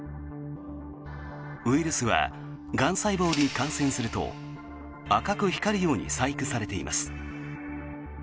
ウイルスはがん細胞に感染すると赤く光るように細工されています。